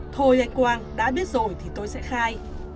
thôi anh quang đã biết rồi thì tôi sẽ khai